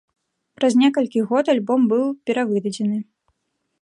Праз некалькі год альбом быў перавыдадзены.